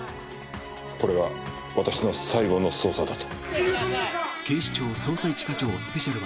これが私の最後の捜査だと。